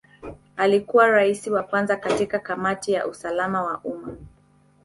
Alikuwa Rais wa kwanza katika Kamati ya usalama wa umma.